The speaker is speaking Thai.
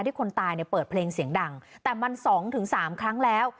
คนตายเนี่ยเปิดเพลงเสียงดังแต่มัน๒๓ครั้งแล้ว